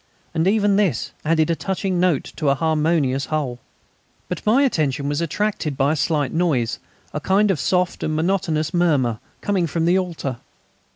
And even this added a touching note to a harmonious whole. But my attention was attracted by a slight noise, a kind of soft and monotonous murmur, coming from the altar.